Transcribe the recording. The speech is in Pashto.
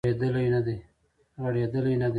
غړیدلې نه دی